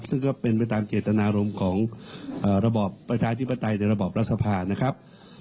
สมัยอย่างรั่วไม่ใช่จุดขวางแน่นอนนะครับซึ่งก็เป็นตามเจตนารมณ์ของประชาธิปไตยรับบรัฐภานะครับ